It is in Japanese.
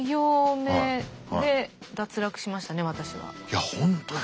いや本当に。